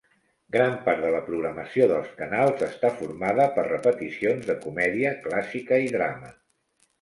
Gran part de la programació dels canals està formada per repeticions de comèdia clàssica i drama.